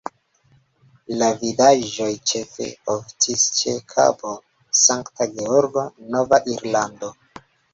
La vidaĵoj ĉefe oftis ĉe Kabo Sankta Georgo, Nova Irlando.